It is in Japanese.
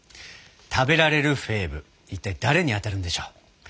食べられるフェーブいったい誰に当たるんでしょう？